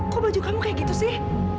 kok baju kamu kayak gitu sih